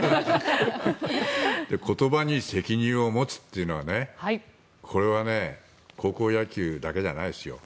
言葉に責任を持つというのはこれは高校野球だけじゃないですよ。